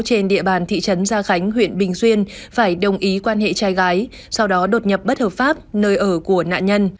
trên địa bàn thị trấn gia khánh huyện bình xuyên phải đồng ý quan hệ trai gái sau đó đột nhập bất hợp pháp nơi ở của nạn nhân